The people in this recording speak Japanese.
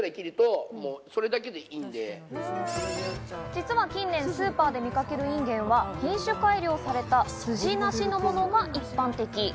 実は近年スーパーで見かけるインゲンは品種改良された筋なしのものが一般的。